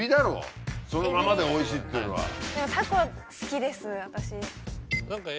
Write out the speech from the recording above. そのままでおいしいっていうのは。